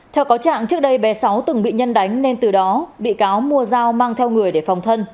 theo cáo trạng trước đây bé sáu từng bị nhân đánh nên từ đó bị cáo mua giao mang theo người để phòng thân